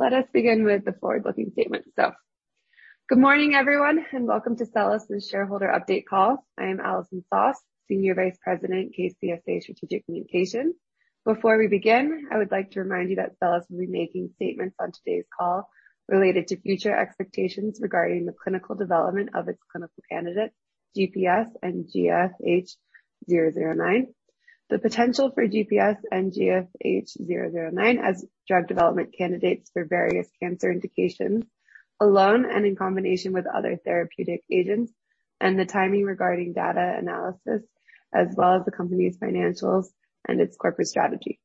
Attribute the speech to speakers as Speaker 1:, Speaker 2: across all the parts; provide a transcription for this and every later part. Speaker 1: Let us begin with the forward-looking statements. Good morning, everyone, and welcome to SELLAS' Shareholder Update Call. I am Allison Soss, Senior Vice President, KCSA Strategic Communications. Before we begin, I would like to remind you that SELLAS will be making statements on today's call related to future expectations regarding the clinical development of its clinical candidates, GPS and GFH009, the potential for GPS and GFH009 as drug development candidates for various cancer indications alone and in combination with other therapeutic agents, and the timing regarding data analysis, as well as the company's financials and its corporate strategy.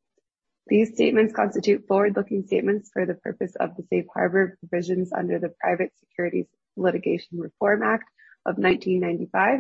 Speaker 1: These statements constitute forward-looking statements for the purpose of the safe harbor provisions under the Private Securities Litigation Reform Act of 1995,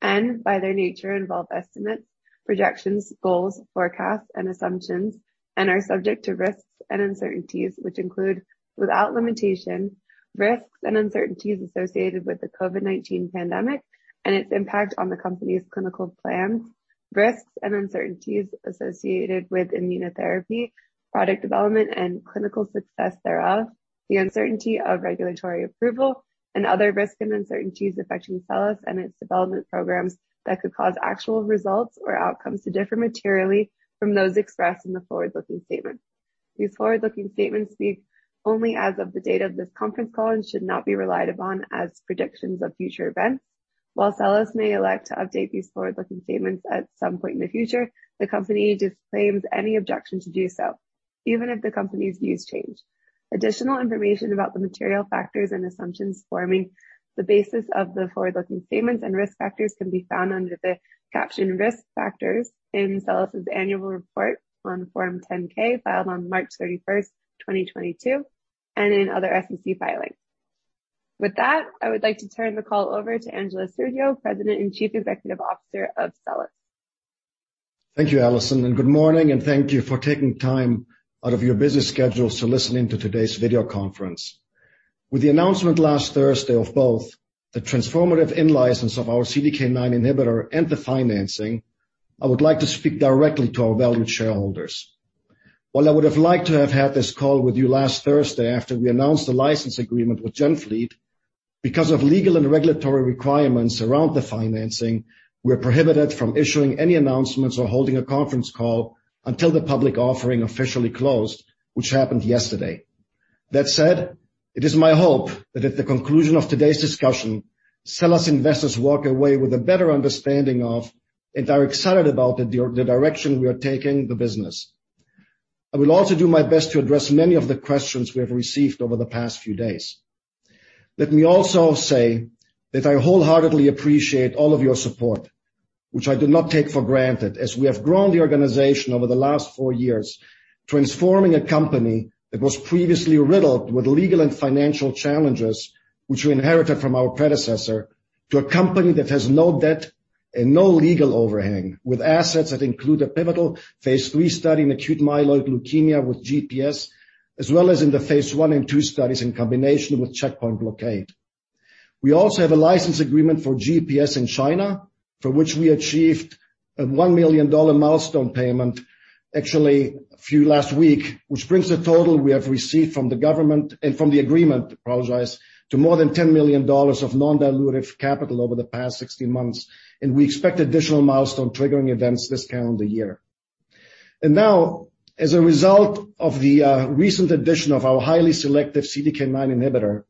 Speaker 1: and by their nature, involve estimates, projections, goals, forecasts, and assumptions, and are subject to risks and uncertainties which include, without limitation, risks and uncertainties associated with the COVID-19 pandemic and its impact on the company's clinical plans, risks and uncertainties associated with immunotherapy, product development and clinical success thereof, the uncertainty of regulatory approval and other risks and uncertainties affecting SELLAS and its development programs that could cause actual results or outcomes to differ materially from those expressed in the forward-looking statements. These forward-looking statements speak only as of the date of this conference call and should not be relied upon as predictions of future events. While SELLAS may elect to update these forward-looking statements at some point in the future, the company disclaims any obligation to do so, even if the company's views change. Additional information about the material factors and assumptions forming the basis of the forward-looking statements and risk factors can be found under the caption Risk Factors in SELLAS' annual report on Form 10-K, filed on March 31, 2022, and in other SEC filings. With that, I would like to turn the call over to Angelos Stergiou, President and Chief Executive Officer of SELLAS.
Speaker 2: Thank you, Allison, and good morning and thank you for taking time out of your busy schedules to listen in to today's video conference. With the announcement last Thursday of both the transformative in-license of our CDK9 inhibitor and the financing, I would like to speak directly to our valued shareholders. While I would have liked to have had this call with you last Thursday after we announced the license agreement with GenFleet, because of legal and regulatory requirements around the financing, we're prohibited from issuing any announcements or holding a conference call until the public offering officially closed, which happened yesterday. That said, it is my hope that at the conclusion of today's discussion, SELLAS investors walk away with a better understanding of and are excited about the direction we are taking the business. I will also do my best to address many of the questions we have received over the past few days. Let me also say that I wholeheartedly appreciate all of your support, which I do not take for granted, as we have grown the organization over the last four years, transforming a company that was previously riddled with legal and financial challenges, which we inherited from our predecessor, to a company that has no debt and no legal overhang, with assets that include a pivotal phase III study in acute myeloid leukemia with GPS, as well as in the phase I and II studies in combination with checkpoint blockade. We also have a license agreement for GPS in China, for which we achieved a $1 million milestone payment, actually a few last week, which brings the total we have received from the agreement, I apologize, to more than $10 million of non-dilutive capital over the past 16 months. We expect additional milestone triggering events this calendar year. Now, as a result of the recent addition of our highly selective CDK9 inhibitor,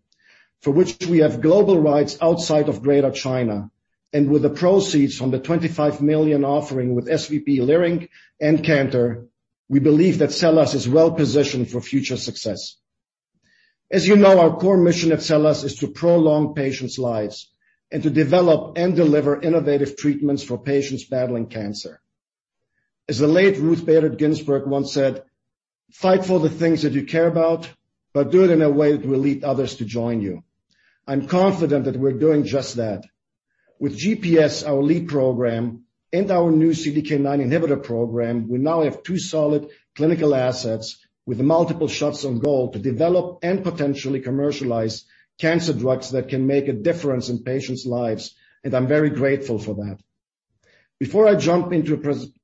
Speaker 2: for which we have global rights outside of Greater China, and with the proceeds from the $25 million offering with SVB Leerink and Cantor, we believe that SELLAS is well positioned for future success. As you know, our core mission at SELLAS is to prolong patients' lives and to develop and deliver innovative treatments for patients battling cancer. As the late Ruth Bader Ginsburg once said, "Fight for the things that you care about, but do it in a way that will lead others to join you." I'm confident that we're doing just that. With GPS, our lead program, and our new CDK9 inhibitor program, we now have two solid clinical assets with multiple shots on goal to develop and potentially commercialize cancer drugs that can make a difference in patients' lives, and I'm very grateful for that. Before I jump into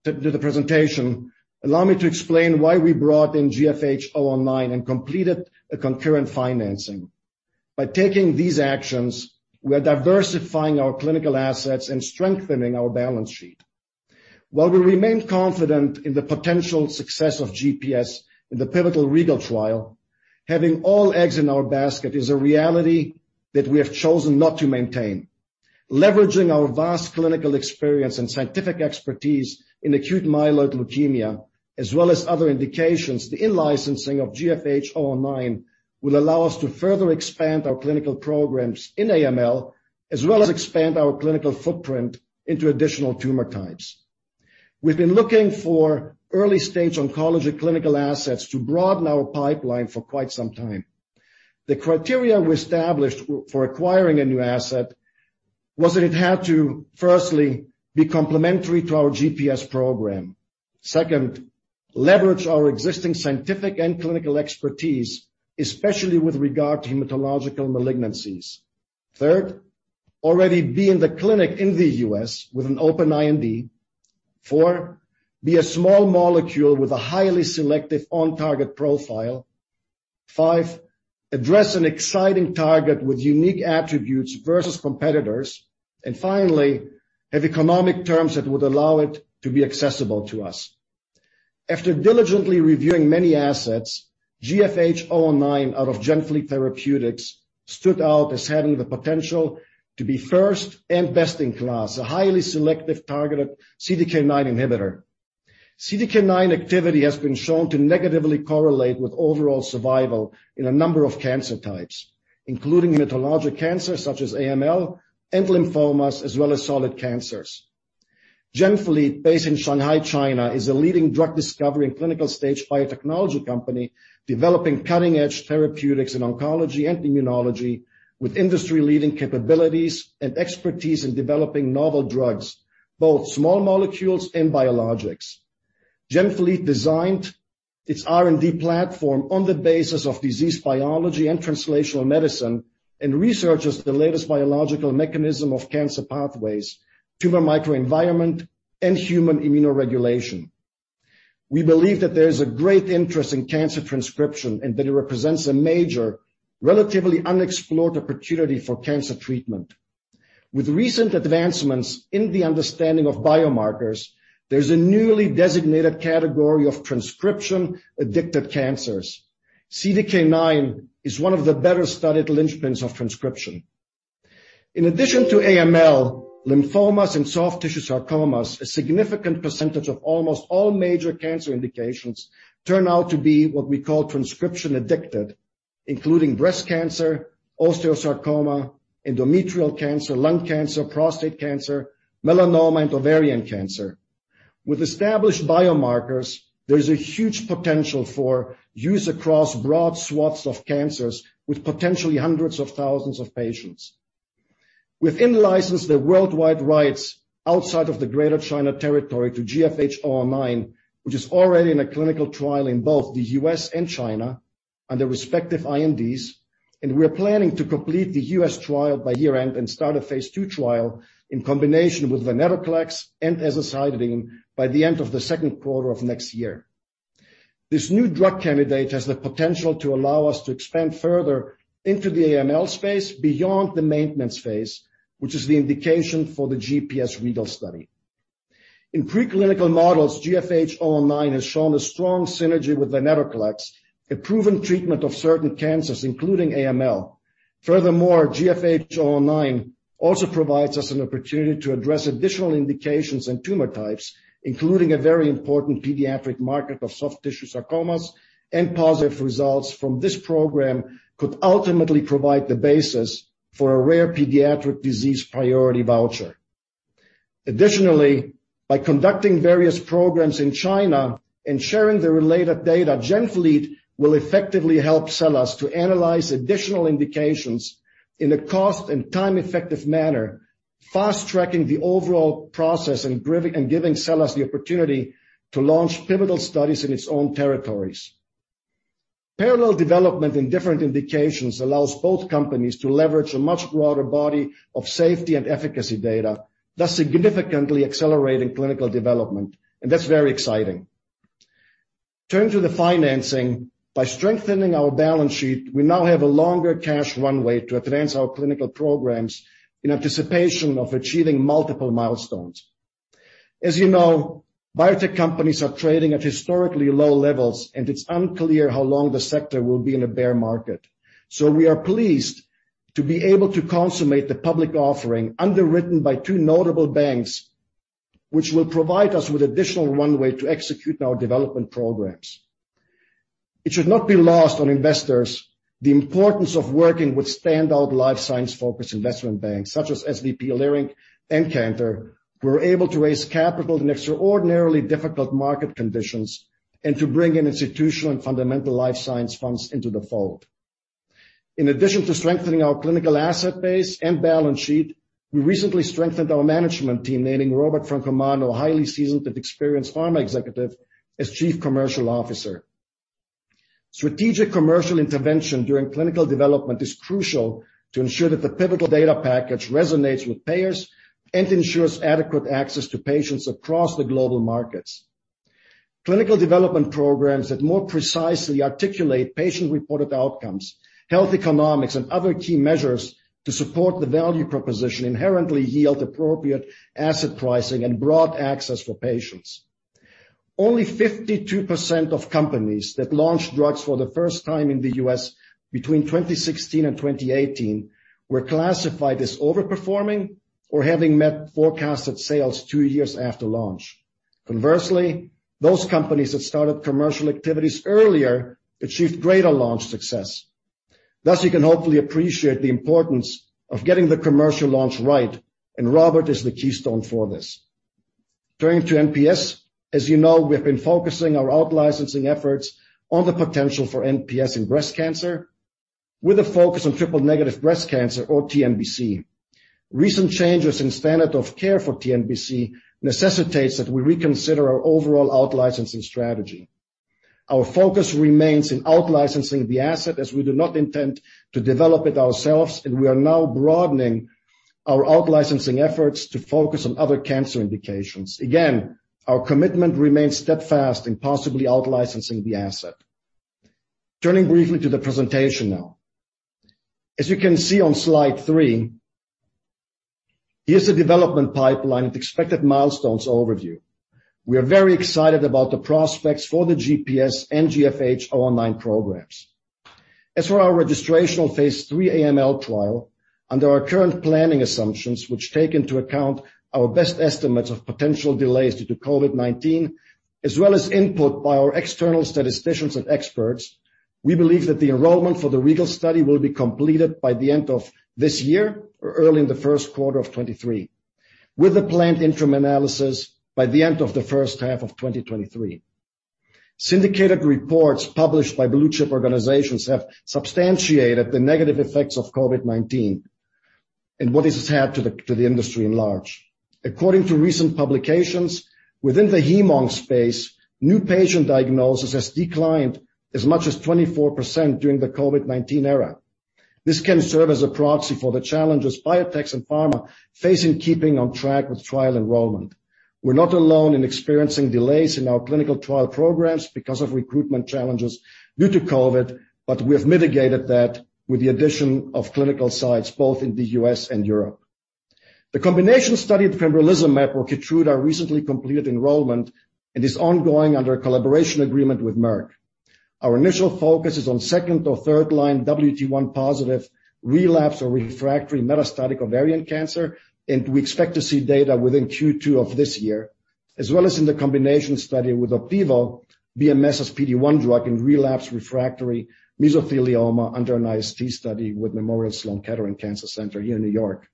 Speaker 2: the presentation, allow me to explain why we brought in GFH009 and completed a concurrent financing. By taking these actions, we are diversifying our clinical assets and strengthening our balance sheet. While we remain confident in the potential success of GPS in the pivotal REGAL trial, having all our eggs in one basket is a reality that we have chosen not to maintain. Leveraging our vast clinical experience and scientific expertise in acute myeloid leukemia, as well as other indications, the in-licensing of GFH009 will allow us to further expand our clinical programs in AML, as well as expand our clinical footprint into additional tumor types. We've been looking for early-stage oncology clinical assets to broaden our pipeline for quite some time. The criteria we established for acquiring a new asset was that it had to, firstly, be complementary to our GPS program. Second, leverage our existing scientific and clinical expertise, especially with regard to hematological malignancies. Third, already be in the clinic in the U.S. with an open IND. Four, be a small molecule with a highly selective on-target profile. Five, address an exciting target with unique attributes versus competitors. Finally, have economic terms that would allow it to be accessible to us. After diligently reviewing many assets, GFH009 out of GenFleet Therapeutics stood out as having the potential to be first and best in class, a highly selective targeted CDK9 inhibitor. CDK9 activity has been shown to negatively correlate with overall survival in a number of cancer types, including hematologic cancers such as AML and lymphomas, as well as solid cancers. GenFleet, based in Shanghai, China, is a leading drug discovery and clinical-stage biotechnology company developing cutting-edge therapeutics in oncology and immunology with industry-leading capabilities and expertise in developing novel drugs, both small molecules and biologics. GenFleet designed its R&D platform on the basis of disease biology and translational medicine and researches the latest biological mechanism of cancer pathways, tumor microenvironment, and human immunoregulation. We believe that there is a great interest in cancer transcription and that it represents a major, relatively unexplored opportunity for cancer treatment. With recent advancements in the understanding of biomarkers, there's a newly designated category of transcription-addicted cancers. CDK9 is one of the better-studied linchpins of transcription. In addition to AML, lymphomas and soft tissue sarcomas, a significant percentage of almost all major cancer indications turn out to be what we call transcription-addicted, including breast cancer, osteosarcoma, endometrial cancer, lung cancer, prostate cancer, melanoma, and ovarian cancer. With established biomarkers, there is a huge potential for use across broad swaths of cancers with potentially hundreds of thousands of patients. We've in-licensed the worldwide rights outside of the Greater China territory to GFH009, which is already in a clinical trial in both the U.S. and China and their respective INDs. We are planning to complete the U.S. trial by year-end and start a phase II trial in combination with venetoclax and azacitidine by the end of the second quarter of next year. This new drug candidate has the potential to allow us to expand further into the AML space beyond the maintenance phase, which is the indication for the GPS REGAL study. In preclinical models, GFH009 has shown a strong synergy with venetoclax, a proven treatment of certain cancers, including AML. Furthermore, GFH009 also provides us an opportunity to address additional indications and tumor types, including a very important pediatric market of soft tissue sarcomas, and positive results from this program could ultimately provide the basis for a rare pediatric disease priority voucher. Additionally, by conducting various programs in China and sharing the related data, GenFleet will effectively help SELLAS to analyze additional indications in a cost and time-effective manner, fast-tracking the overall process and giving SELLAS the opportunity to launch pivotal studies in its own territories. Parallel development in different indications allows both companies to leverage a much broader body of safety and efficacy data, thus significantly accelerating clinical development. That's very exciting. Turning to the financing. By strengthening our balance sheet, we now have a longer cash runway to advance our clinical programs in anticipation of achieving multiple milestones. As you know, biotech companies are trading at historically low levels, and it's unclear how long the sector will be in a bear market. We are pleased to be able to consummate the public offering underwritten by two notable banks, which will provide us with additional runway to execute our development programs. It should not be lost on investors the importance of working with standout life science-focused investment banks such as SVB Leerink and Cantor, who were able to raise capital in extraordinarily difficult market conditions and to bring in institutional and fundamental life science funds into the fold. In addition to strengthening our clinical asset base and balance sheet, we recently strengthened our management team, naming Robert Francomano, a highly seasoned and experienced pharma executive, as Chief Commercial Officer. Strategic commercial intervention during clinical development is crucial to ensure that the pivotal data package resonates with payers and ensures adequate access to patients across the global markets. Clinical development programs that more precisely articulate patient-reported outcomes, health economics, and other key measures to support the value proposition inherently yield appropriate asset pricing and broad access for patients. Only 52% of companies that launched drugs for the first time in the U.S. between 2016 and 2018 were classified as overperforming or having met forecasted sales two years after launch. Conversely, those companies that started commercial activities earlier achieved greater launch success. Thus, you can hopefully appreciate the importance of getting the commercial launch right, and Robert is the keystone for this. Turning to NPS. As you know, we have been focusing our out-licensing efforts on the potential for NPS in breast cancer with a focus on triple-negative breast cancer or TNBC. Recent changes in standard of care for TNBC necessitates that we reconsider our overall out-licensing strategy. Our focus remains in out-licensing the asset as we do not intend to develop it ourselves, and we are now broadening our out-licensing efforts to focus on other cancer indications. Again, our commitment remains steadfast in possibly out-licensing the asset. Turning briefly to the presentation now. As you can see on Slide three, here's the development pipeline and expected milestones overview. We are very excited about the prospects for the GPS and GFH009 programs. As for our registrational phase III AML trial, under our current planning assumptions, which take into account our best estimates of potential delays due to COVID-19, as well as input by our external statisticians and experts, we believe that the enrollment for the REGAL study will be completed by the end of this year or early in the first quarter of 2023, with a planned interim analysis by the end of the first half of 2023. Syndicated reports published by blue-chip organizations have substantiated the negative effects of COVID-19 and what this has had to the industry at large. According to recent publications, within the hem-onc space, new patient diagnosis has declined as much as 24% during the COVID-19 era. This can serve as a proxy for the challenges biotechs and pharma face in keeping on track with trial enrollment. We're not alone in experiencing delays in our clinical trial programs because of recruitment challenges due to COVID, but we have mitigated that with the addition of clinical sites both in the U.S. and Europe. The combination study of pembrolizumab or Keytruda recently completed enrollment and is ongoing under a collaboration agreement with Merck. Our initial focus is on second or third line WT1 positive relapse or refractory metastatic ovarian cancer, and we expect to see data within Q2 of this year. As well as in the combination study with Opdivo, a PD-1 drug, in relapsed refractory mesothelioma under an IST study with Memorial Sloan Kettering Cancer Center here in New York.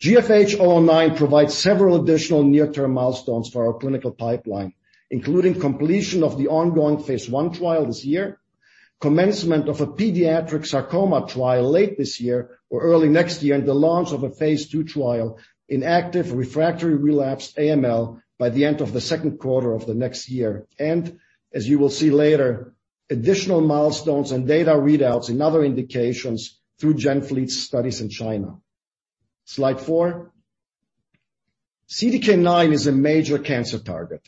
Speaker 2: GFH009 provides several additional near-term milestones for our clinical pipeline, including completion of the ongoing phase I trial this year, commencement of a pediatric sarcoma trial late this year or early next year, and the launch of a phase II trial in relapsed refractory AML by the end of the second quarter of the next year. As you will see later, additional milestones and data readouts in other indications through GenFleet's studies in China. Slide four. CDK9 is a major cancer target.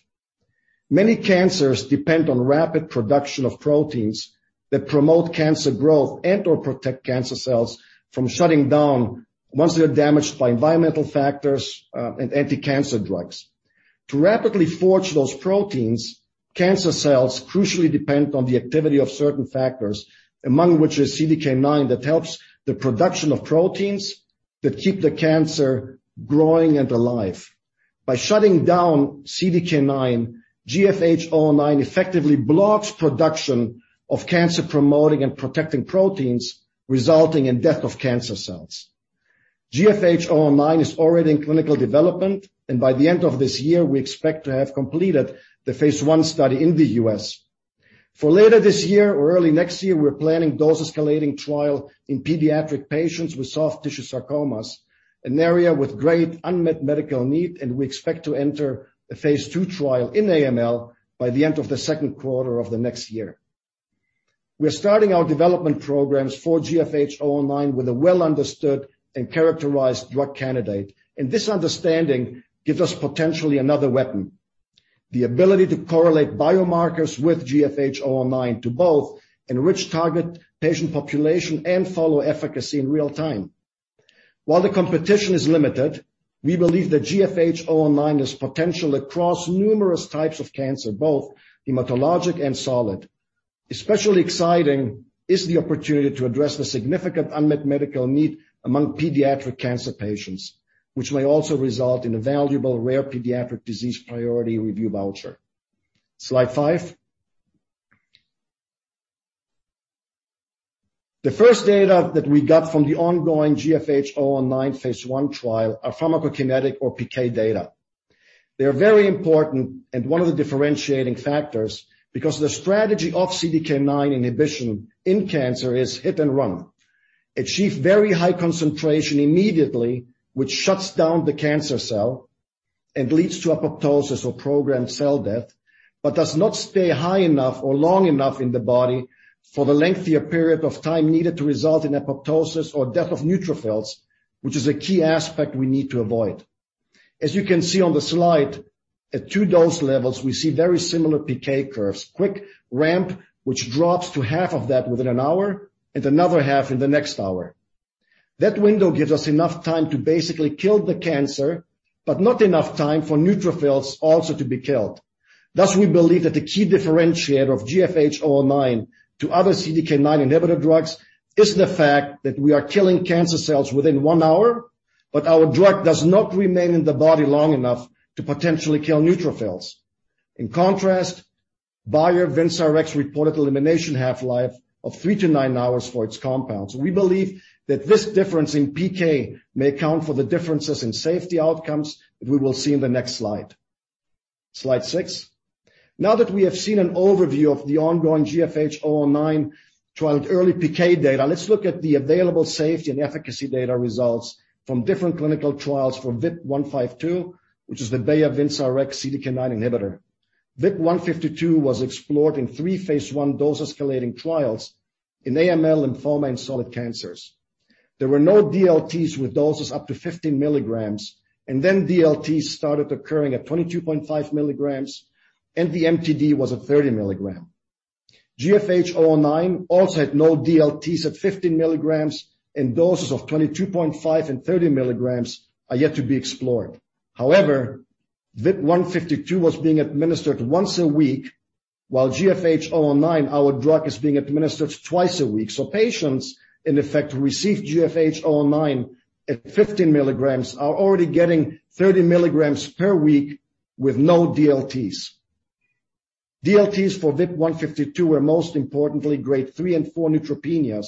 Speaker 2: Many cancers depend on rapid production of proteins that promote cancer growth and/or protect cancer cells from shutting down once they are damaged by environmental factors, and anti-cancer drugs. To rapidly forge those proteins, cancer cells crucially depend on the activity of certain factors, among which is CDK9, that helps the production of proteins that keep the cancer growing and alive. By shutting down CDK9, GFH009 effectively blocks production of cancer promoting and protecting proteins, resulting in death of cancer cells. GFH009 is already in clinical development, and by the end of this year, we expect to have completed the phase I study in the U.S. For later this year or early next year, we're planning dose-escalating trial in pediatric patients with soft tissue sarcomas, an area with great unmet medical need, and we expect to enter a phase II trial in AML by the end of the second quarter of the next year. We are starting our development programs for GFH009 with a well-understood and characterized drug candidate. This understanding gives us potentially another weapon, the ability to correlate biomarkers with GFH009 to both enrich target patient population and follow efficacy in real time. While the competition is limited, we believe that GFH009 has potential across numerous types of cancer, both hematologic and solid. Especially exciting is the opportunity to address the significant unmet medical need among pediatric cancer patients, which may also result in a valuable rare pediatric disease priority review voucher. Slide five. The first data that we got from the ongoing GFH009 phase I trial are pharmacokinetic or PK data. They are very important and one of the differentiating factors because the strategy of CDK9 inhibition in cancer is hit and run. Achieve very high concentration immediately, which shuts down the cancer cell and leads to apoptosis or programmed cell death, but does not stay high enough or long enough in the body for the lengthier period of time needed to result in apoptosis or death of neutrophils, which is a key aspect we need to avoid. As you can see on the slide, at two dose levels we see very similar PK curves. Quick ramp, which drops to half of that within an hour and another half in the next hour. That window gives us enough time to basically kill the cancer, but not enough time for neutrophils also to be killed. Thus, we believe that the key differentiator of GFH009 to other CDK9 inhibitor drugs is the fact that we are killing cancer cells within one hour, but our drug does not remain in the body long enough to potentially kill neutrophils. In contrast, Bayer/Vincerx reported elimination half-life of 3-9 hours for its compounds. We believe that this difference in PK may account for the differences in safety outcomes that we will see in the next slide. Slide 6. Now that we have seen an overview of the ongoing GFH009 trial early PK data, let's look at the available safety and efficacy data results from different clinical trials for VIP152, which is the Bayer/Vincerx CDK9 inhibitor. VIP152 was explored in three phase I dose-escalating trials in AML, lymphoma, and solid cancers. There were no DLTs with doses up to 15 mg, and then DLT started occurring at 22.5 mg, and the MTD was at 30 mg. GFH009 also had no DLTs at 15 mg, and doses of 22.5 and 30 mg are yet to be explored. However, VIP152 was being administered once a week while GFH009, our drug, is being administered twice a week. Patients, in effect, receive GFH009 at 15 mg are already getting 30 mg per week with no DLTs. DLTs for VIP152 were most importantly grade 3 and 4 neutropenias.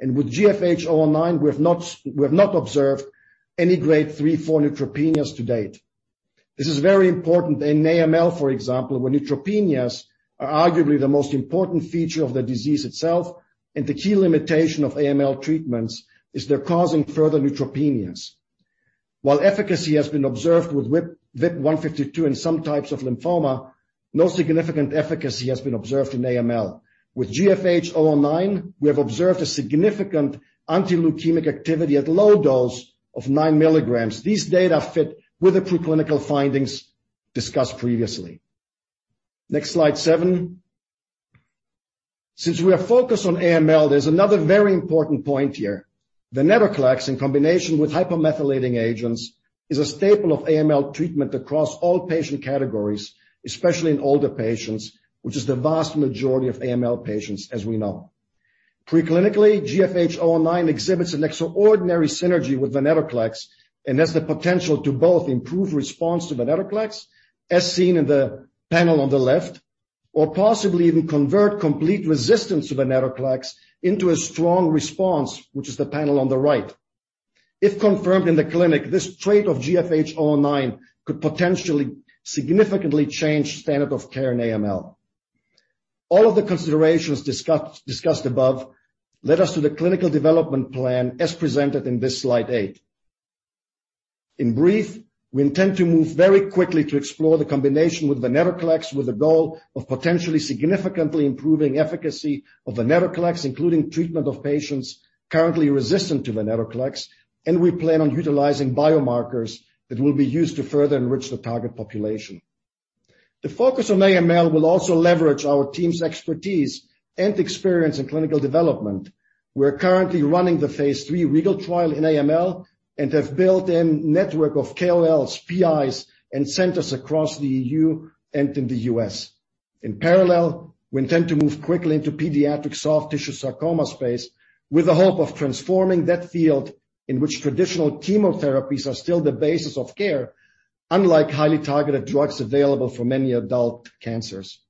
Speaker 2: With GFH009, we have not observed any grade 3/4 neutropenias to date. This is very important in AML, for example, where neutropenias are arguably the most important feature of the disease itself, and the key limitation of AML treatments is they're causing further neutropenias. While efficacy has been observed with VIP152 in some types of lymphoma, no significant efficacy has been observed in AML. With GFH009, we have observed a significant anti-leukemic activity at low dose of 9 milligrams. These data fit with the preclinical findings discussed previously. Next, slide 7. Since we are focused on AML, there's another very important point here. Venetoclax, in combination with hypomethylating agents, is a staple of AML treatment across all patient categories, especially in older patients, which is the vast majority of AML patients as we know. Preclinically, GFH009 exhibits an extraordinary synergy with venetoclax, and has the potential to both improve response to venetoclax, as seen in the panel on the left, or possibly even convert complete resistance to venetoclax into a strong response, which is the panel on the right. If confirmed in the clinic, this trait of GFH-009 could potentially significantly change standard of care in AML. All of the considerations discussed above led us to the clinical development plan as presented in this slide eight. In brief, we intend to move very quickly to explore the combination with venetoclax with the goal of potentially significantly improving efficacy of venetoclax, including treatment of patients currently resistant to venetoclax, and we plan on utilizing biomarkers that will be used to further enrich the target population. The focus on AML will also leverage our team's expertise and experience in clinical development. We're currently running the phase III REGAL trial in AML and have built a network of KOLs, PIs, and centers across the E.U. and in the U.S. In parallel, we intend to move quickly into pediatric soft tissue sarcoma space with the hope of transforming that field in which traditional chemotherapies are still the basis of care, unlike highly targeted drugs available for many adult cancers.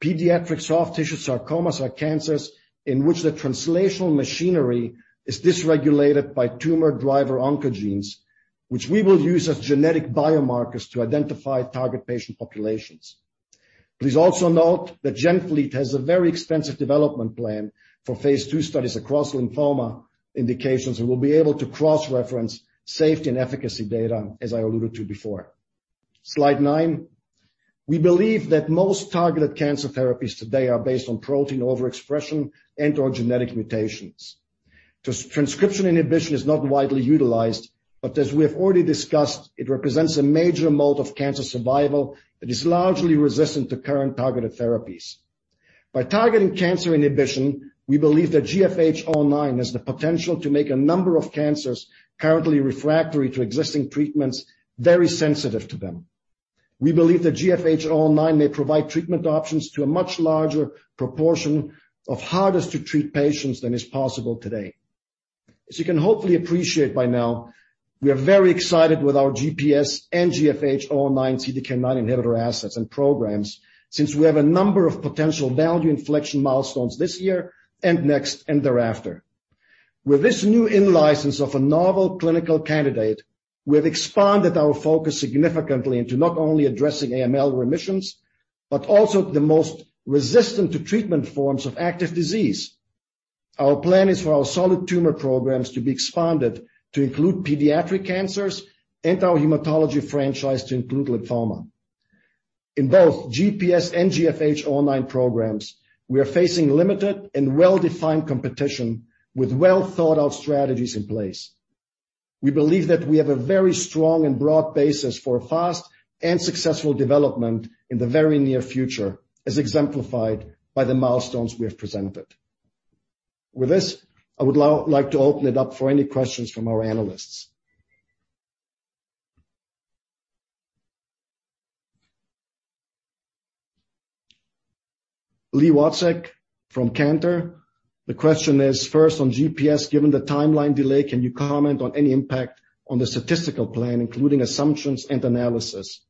Speaker 2: Pediatric soft tissue sarcomas are cancers in which the translational machinery is dysregulated by tumor-derived oncogenes, which we will use as genetic biomarkers to identify target patient populations. Please also note that GenFleet has a very extensive development plan for phase II studies across lymphoma indications, and we'll be able to cross-reference safety and efficacy data, as I alluded to before. Slide nine. We believe that most targeted cancer therapies today are based on protein overexpression and/or genetic mutations. Transcription inhibition is not widely utilized, but as we have already discussed, it represents a major mode of cancer survival that is largely resistant to current targeted therapies. By targeting cancer inhibition, we believe that GFH009 has the potential to make a number of cancers currently refractory to existing treatments very sensitive to them. We believe that GFH009 may provide treatment options to a much larger proportion of hardest-to-treat patients than is possible today. As you can hopefully appreciate by now, we are very excited with our GPS and GFH009 CDK9 inhibitor assets and programs since we have a number of potential value inflection milestones this year and next and thereafter. With this new in-license of a novel clinical candidate, we have expanded our focus significantly into not only addressing AML remissions, but also the most resistant to treatment forms of active disease. Our plan is for our solid tumor programs to be expanded to include pediatric cancers and our hematology franchise to include lymphoma. In both GPS and GFH009 programs, we are facing limited and well-defined competition with well-thought-out strategies in place. We believe that we have a very strong and broad basis for fast and successful development in the very near future, as exemplified by the milestones we have presented. With this, I would now like to open it up for any questions from our analysts. Li Watsek from Cantor. The question is, first on GPS, given the timeline delay, can you comment on any impact on the statistical plan, including assumptions and analysis?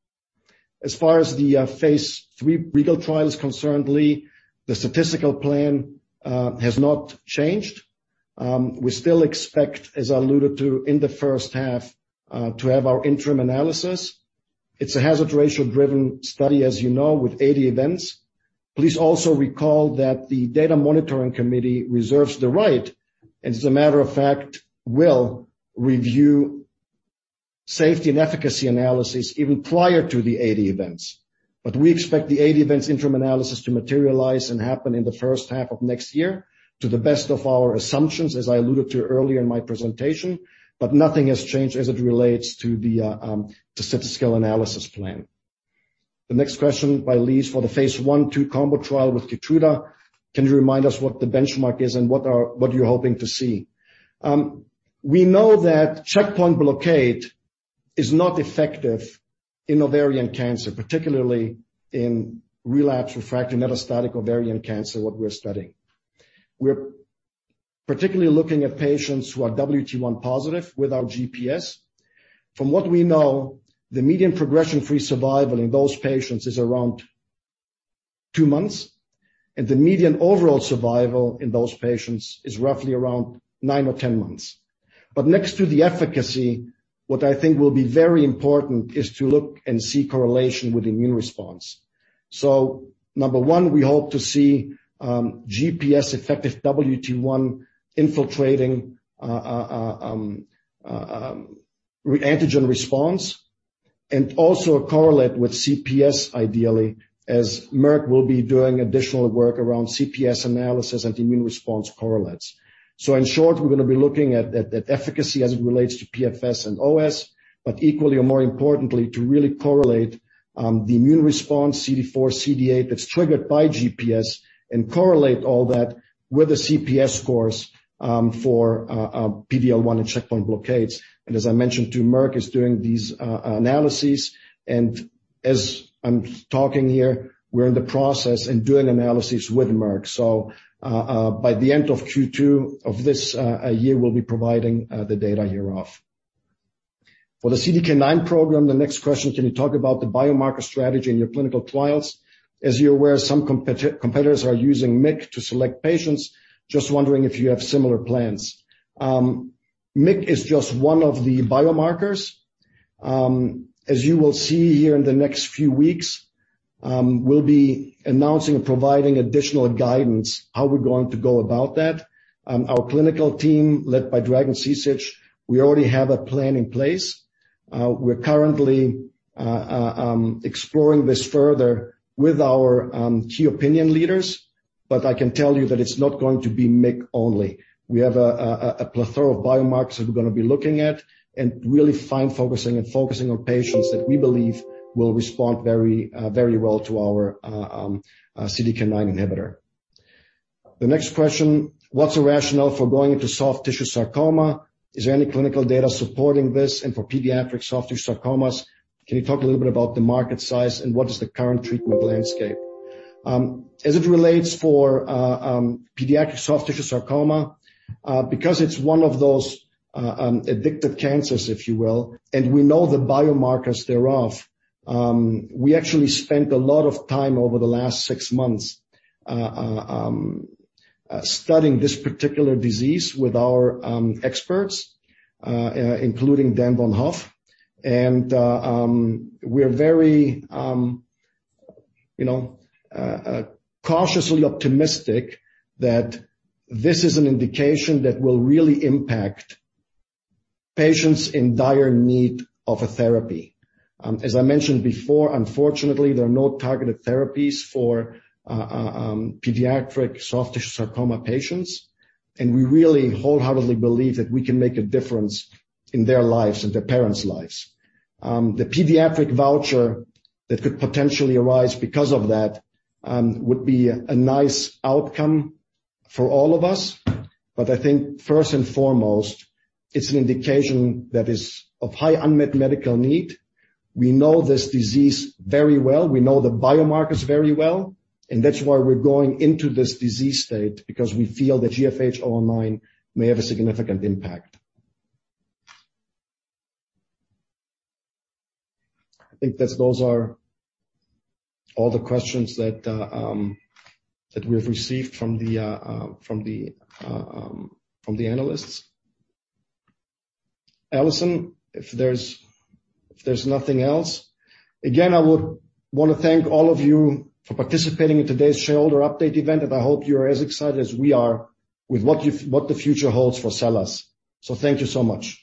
Speaker 2: As far as the phase III REGAL trial is concerned, Lee, the statistical plan has not changed. We still expect, as I alluded to in the first half, to have our interim analysis. It's a hazard ratio-driven study, as you know, with 80 events. Please also recall that the data monitoring committee reserves the right, and as a matter of fact, will review safety and efficacy analysis even prior to the AE events. We expect the AE events interim analysis to materialize and happen in the first half of next year to the best of our assumptions, as I alluded to earlier in my presentation, but nothing has changed as it relates to the statistical analysis plan. The next question by Lee is, for the phase I/II combo trial with Keytruda, can you remind us what the benchmark is and what you're hoping to see? We know that checkpoint blockade is not effective in ovarian cancer, particularly in relapse-refractory metastatic ovarian cancer, what we're studying. We're particularly looking at patients who are WT1 positive with our GPS. From what we know, the median progression-free survival in those patients is around two months, and the median overall survival in those patients is roughly around nine or 10 months. Next to the efficacy, what I think will be very important is to look and see correlation with immune response. Number one, we hope to see GPS effective WT1 infiltrating antigen response and also correlate with CPS, ideally, as Merck will be doing additional work around CPS analysis and immune response correlates. In short, we're gonna be looking at efficacy as it relates to PFS and OS, but equally or more importantly, to really correlate the immune response CD4, CD8, that's triggered by GPS and correlate all that with the CPS scores for PD-L1 and checkpoint blockades. As I mentioned too, Merck is doing these analyses. As I'm talking here, we're in the process of doing analyses with Merck. By the end of Q2 of this year, we'll be providing the data hereof. For the CDK9 program, the next question, can you talk about the biomarker strategy in your clinical trials? As you're aware, some competitors are using MYC to select patients. Just wondering if you have similar plans. MYC is just one of the biomarkers. As you will see here in the next few weeks, we'll be announcing and providing additional guidance on how we're going to go about that. Our clinical team, led by Dragan Cicin-Sain we already have a plan in place. We're currently exploring this further with our key opinion leaders, but I can tell you that it's not going to be MYC only. We have a plethora of biomarkers that we're gonna be looking at and really fine-focusing and focusing on patients that we believe will respond very well to our CDK9 inhibitor. The next question, what's the rationale for going into soft tissue sarcoma? Is there any clinical data supporting this? And for pediatric soft tissue sarcomas, can you talk a little bit about the market size and what is the current treatment landscape? As it relates to pediatric soft tissue sarcoma, because it's one of those aggressive cancers, if you will, and we know the biomarkers thereof, we actually spent a lot of time over the last six months studying this particular disease with our experts, including Daniel Von Hoff. We're very, you know, cautiously optimistic that this is an indication that will really impact patients in dire need of a therapy. As I mentioned before, unfortunately, there are no targeted therapies for pediatric soft tissue sarcoma patients, and we really wholeheartedly believe that we can make a difference in their lives and their parents' lives. The pediatric voucher that could potentially arise because of that would be a nice outcome for all of us. I think first and foremost, it's an indication that is of high unmet medical need. We know this disease very well. We know the biomarkers very well, and that's why we're going into this disease state because we feel that GFH009 may have a significant impact. I think that those are all the questions that we have received from the analysts. Allison, if there's nothing else. Again, I would wanna thank all of you for participating in today's shareholder update event, and I hope you're as excited as we are with what the future holds for SELLAS. Thank you so much.